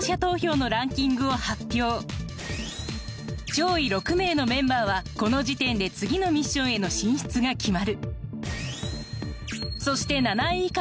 上位６名のメンバーはこの時点で次のミッションへの進出が決まる。